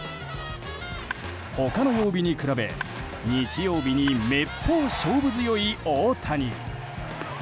他の曜日に比べ日曜日にめっぽう勝負強い大谷。